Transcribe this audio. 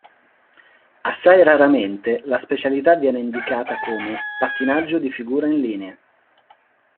Assai raramente la specialità viene indicata come "pattinaggio di figura in linea".